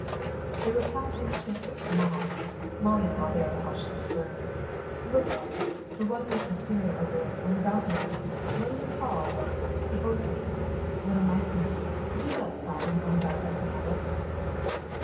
They were passing Chiswick Mall. Molly saw there the house she preferred. "Look, Eddy. That one with wistaria over it, and the balcony. What's it called? The Osiers. What a nice name. Do let's stop and find out if we can have it."